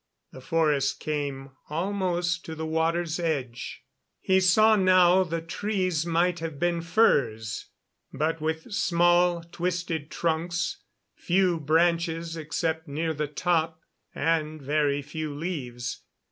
The forest came almost to the water's edge. He saw now the trees might have been firs, but with small, twisted trunks, few branches except near the top, and very few leaves.